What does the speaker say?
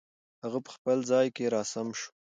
هغه په خپل ځای کې را سم شو.